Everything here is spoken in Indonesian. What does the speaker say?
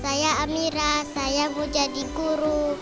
saya amira saya mau jadi guru